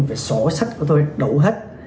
về sổ sách của tôi đủ hết